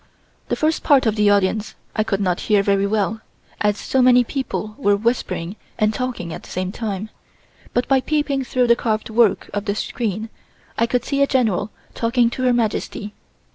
The first part of the audience I could not hear very well, as so many people were whispering and talking at the same time, but by peeping through the carved work of the screen, I could see a General talking to Her Majesty.